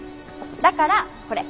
だからこれ。